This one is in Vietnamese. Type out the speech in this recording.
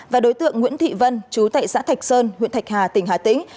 và đối tượng nguyễn thị vân chú tệ xã thạch sơn huyện thạch hà tỉnh hà tĩnh